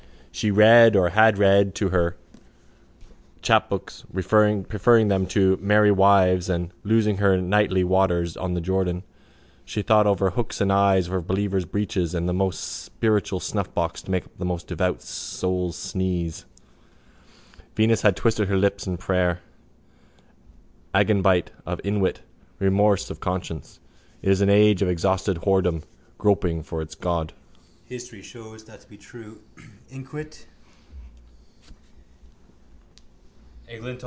She read or had read to her his chapbooks preferring them to the Merry Wives and, loosing her nightly waters on the jordan, she thought over Hooks and Eyes for Believers' Breeches and The most Spiritual Snuffbox to Make the Most Devout Souls Sneeze. Venus has twisted her lips in prayer. Agenbite of inwit: remorse of conscience. It is an age of exhausted whoredom groping for its god.